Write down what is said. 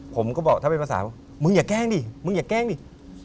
ผมก็บอกถ้าเป็นภาษาว่ามึงอย่าแกล้งดิมึงอย่าแกล้งดิ